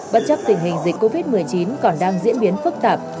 bất chấp tình hình dịch covid một mươi chín còn đang diễn biến phức tạp